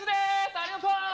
ありがとう！